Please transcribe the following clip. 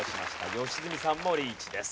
良純さんもリーチです。